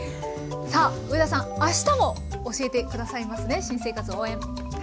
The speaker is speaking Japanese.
さあ上田さんあしたも教えて下さいますね新生活応援。